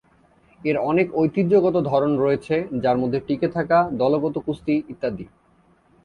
এর অনেক ঐতিহ্যগত ধরন রয়েছে যার মধ্যে টিকে থাকা, দলগত কুস্তি ইত্যাদি।